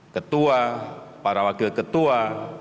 ketua para wakil ketua